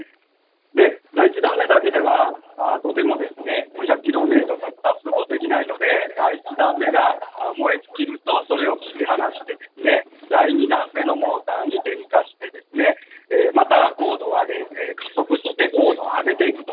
第１段目だけでは、とてもですね、５００キロメートルに達することができないので、第１段目が燃え尽きると、それを切り離して、第２段目のモーターに点火して、また高度を上げ、加速して、高度を上げていくと。